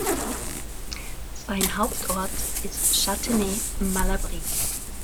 Sein Hauptort ist Châtenay-Malabry.